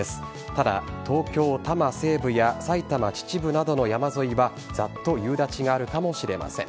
ただ、東京・多摩西部や埼玉・秩父などの山沿いはざっと夕立があるかもしれません。